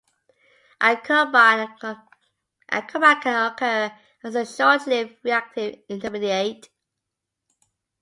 A carbyne can occur as a short-lived reactive intermediate.